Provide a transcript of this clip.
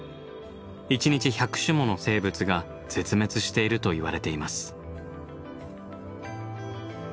一日１００種もの生物が絶滅しているといわれています。